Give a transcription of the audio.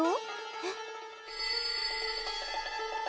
えっ。